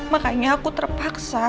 makanya aku terpaksa